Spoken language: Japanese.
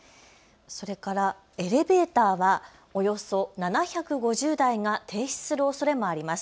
それからエレベーターはおよそ７５０台が停止するおそれもあります。